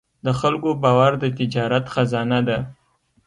د خلکو باور د تجارت خزانه ده.